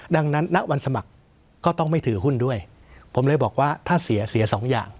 ดังนั้นณวันสมัครก็ต้องไม่ถือหุ้นด้วยผมเลยบอกว่าถ้าเสียเสียสองอย่าง